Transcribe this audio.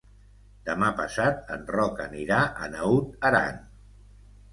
Demà passat en Roc anirà a Naut Aran.